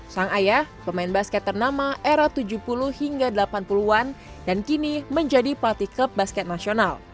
sang ayah pemain basket ternama era tujuh puluh hingga delapan puluh an dan kini menjadi partikel basket nasional